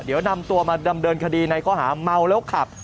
เดี๋ยวนำตัวมาดำเนินคดีในข้อหาเมาแล้วขับ